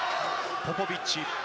ポポビッチ